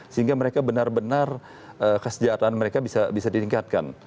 sehingga mereka benar benar kesejahteraan mereka bisa ditingkatkan